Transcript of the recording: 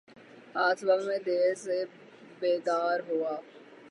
آج صبح میں دیر سے بیدار ہوا